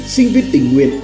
sinh viên tình nguyện